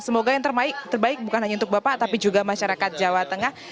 semoga yang terbaik bukan hanya untuk bapak tapi juga masyarakat jawa tengah